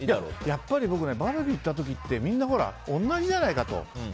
やっぱり僕ねバーベキュー行った時ってみんな同じじゃないかと。